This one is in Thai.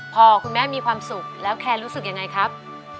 พอคุณแม่มีความสุขแล้วแคนรู้สึกยังไงครับ